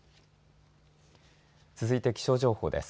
続いて気象情報です。